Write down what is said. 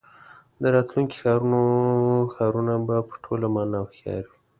د راتلونکي ښارونه به په ټوله مانا هوښیار وي.